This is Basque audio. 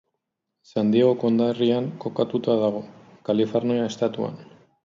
San Diego konderrian kokatuta dago, Kalifornia estatuan.